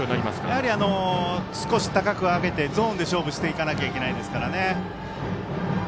やはり、少し高く上げてゾーンで勝負していかないといけないですからね。